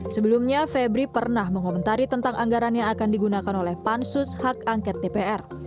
sebelumnya febri pernah mengomentari tentang anggaran yang akan digunakan oleh pansus hak angket dpr